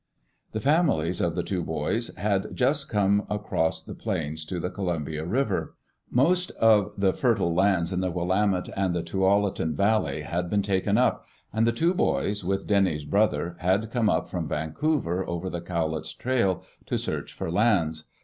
The families of the two boys had just come across the plains to the Columbia River. Most of the fertile lands on the Willamette and in the Tualatin Valley had been taken up, and the two boys, with Denny's brother, had come up from Vancouver over the Cowlitz Xrail, to search for lands.